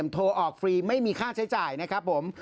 โทรออกฟรีไม่มีค่าใช้จ่ายนะครับผม